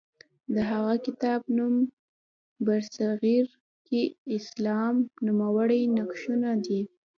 د هغه کتاب نوم برصغیر کې اسلام لومړني نقشونه دی.